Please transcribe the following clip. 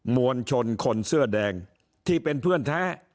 มวลชนคนเสื้อแดงที่เป็นเพื่อนแท้